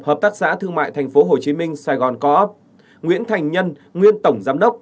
hợp tác xã thương mại tp hcm sài gòn co op nguyễn thành nhân nguyên tổng giám đốc